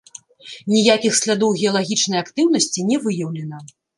Ніякіх слядоў геалагічнай актыўнасці не выяўлена.